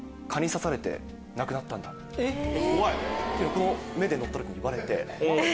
この目で乗った時に言われて。